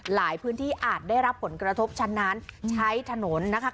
หลายพื้นที่อาจได้รับผลกระทบชั้นนั้นใช้ถนนนะคะ